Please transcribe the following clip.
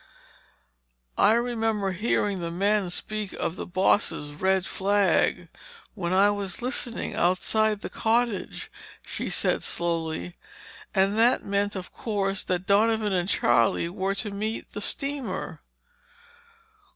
"I remember hearing the men speak of the bosses' red flag when I was listening outside the cottage," she said slowly, "and that meant, of course, that Donovan and Charlie were to meet the steamer."